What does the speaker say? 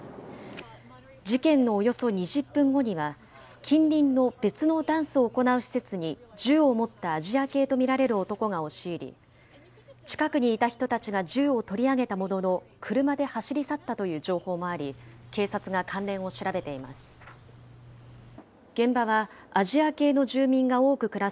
事件のおよそ２０分後には、近隣の別のダンスを行う施設に銃を持ったアジア系と見られる男が押し入り、近くにいた人たちが銃を取りあげたものの、車で走り去ったという情報もあり、警察が関連を調べています。